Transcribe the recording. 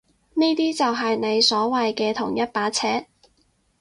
呢啲就係你所謂嘅同一把尺？